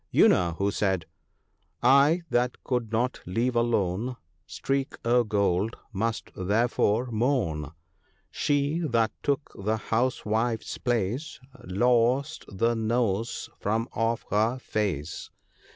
You know who said —" I that could not leave alone * Streak o' Gold,' must therefore moan. She that took the House wife's place Lost the nose from off her face.